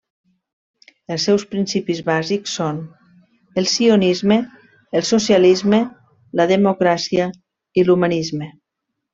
Els seus principis bàsics són: el sionisme, el socialisme, la democràcia i l'humanisme.